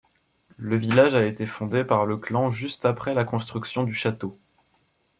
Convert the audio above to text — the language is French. Le village a été fondé par le clan juste après la construction du château.